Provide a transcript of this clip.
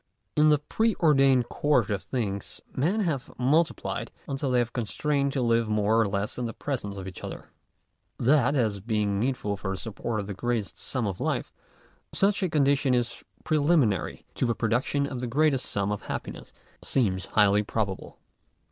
In the pre ordained course of things, men have multi ' plied until they are constrained to live more or less in presence of each other. That, as being needful for the support of the greatest sum of life, such a condition is preliminary to the production of the greatest sum of happiness, seems highly probable.